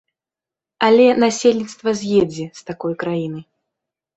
Але насельніцтва з'едзе з такой краіны.